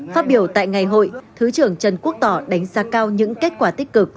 phát biểu tại ngày hội thứ trưởng trần quốc tỏ đánh giá cao những kết quả tích cực